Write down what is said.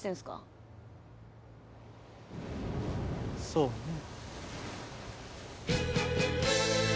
そうね。